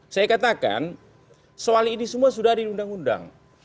saya katakan soal ini semua sudah diundang undang